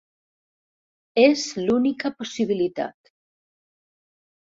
És l'única possibilitat.